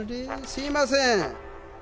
すいません。